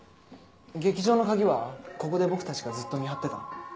劇場の鍵はここで僕たちがずっと見張ってた。